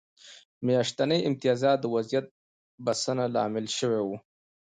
میاشتني امتیازات د وضعیت بسنه لامل شوي وو.